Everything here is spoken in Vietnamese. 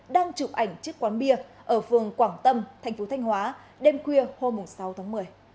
đang chụp ảnh chiếc quán bia ở phường quảng tâm thành phố thanh hóa đêm khuya hôm sáu tháng một mươi